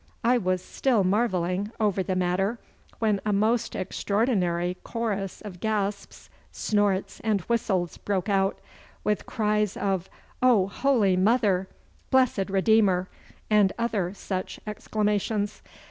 I was still marvelling over the matter when a most extraordinary chorus of gasps, snorts, and whistles broke out, with cries of 'Oh, holy mother!' 'Blessed Redeemer!' and other such exclamations.